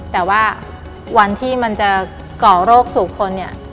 แต่ว่าวันที่มันจะก่อโรคสู่คนเนี่ย